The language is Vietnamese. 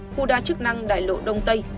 khu đa chức năng đại lộ đông tây